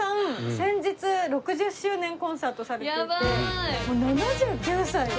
先日６０周年コンサートされていて７９歳で。